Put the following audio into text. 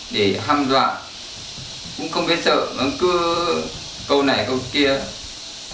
để hăm dọa cũng không biết sợ cứ câu này câu kia nói nặng cháu cũng kiểm trí được